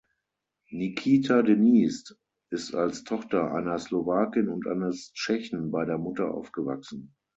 Nikita Denise ist als Tochter einer Slowakin und eines Tschechen bei der Mutter aufgewachsen.